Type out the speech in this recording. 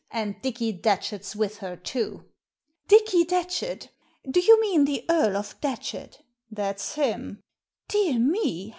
And Dicky Datchet's with her, toa" Dicky Datchet! Do you mean the Earl of Datchet?" "That's him." " Dear me